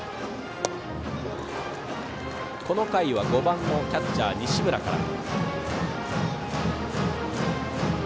この回は５番キャッチャー、西村から。